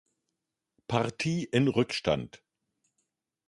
Partie in Rückstand.